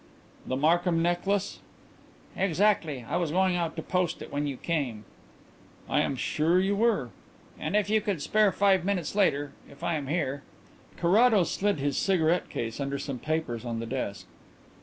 "The Markham necklace?" "Exactly. I was going out to post it when you came." "I am sure you were." "And if you could spare five minutes later if I am here " Carrados slid his cigarette case under some papers on the desk.